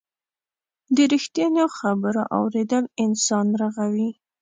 د رښتینو خبرو اورېدل انسان رغوي.